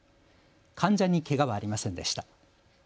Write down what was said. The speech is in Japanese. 患者にけがはありませんでした。